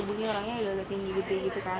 kebunya orangnya udah gede gegebe gitu kan